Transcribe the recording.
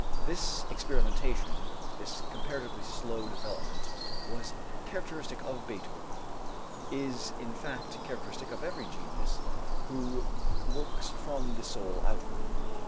This experimentation, this comparatively slow development, was characteristic of Beethoven; is, in fact, characteristic of every genius who works from the soul outward.